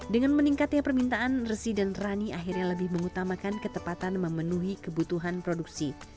dengan meningkatnya permintaan resy dan rani akhirnya lebih mengutamakan ketepatan memenuhi kebutuhan produksi